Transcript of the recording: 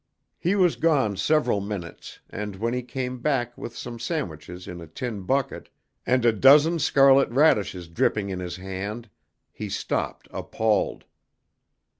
He was gone several minutes, and when he came back with some sandwiches in a tin bucket, and a dozen scarlet radishes dripping in his hand, he stopped appalled.